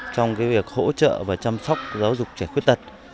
trong việc hỗ trợ và chăm sóc giáo dục trẻ khuyết tật